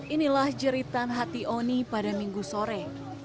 inilah jeritan hati oni pada minggu sore